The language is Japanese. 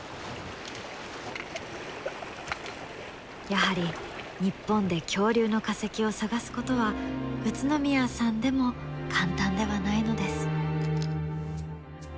やはり日本で恐竜の化石を探すことは宇都宮さんでも簡単ではないのです。